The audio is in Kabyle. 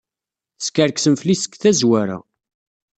Teskerksem fell-i seg tazwara.